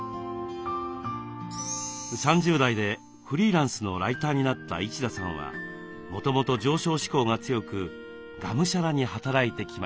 ３０代でフリーランスのライターになった一田さんはもともと上昇志向が強くがむしゃらに働いてきました。